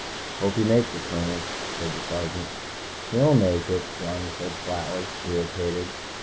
"Hope he makes it, Colonel," said the Sergeant. "He'll make it," Johnny said flatly, irritated.